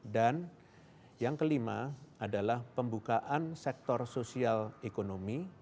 dan yang kelima adalah pembukaan sektor sosial ekonomi